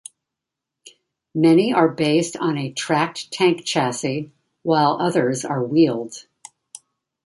Many are based on a tracked tank chassis, while others are wheeled.